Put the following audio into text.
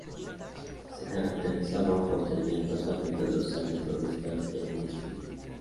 Se caracterizaban por tener dos aletas dorsales provistas de una espina.